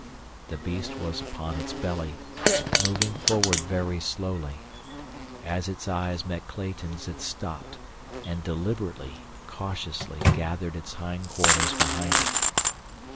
The beast was upon its belly, moving forward very slowly. As its eyes met Clayton's it stopped, and deliberately, cautiously gathered its hind quarters behind it.